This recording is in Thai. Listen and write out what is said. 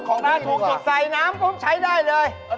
ของหน้าถูกชุดใสหน้าก็ใช้ได้เลย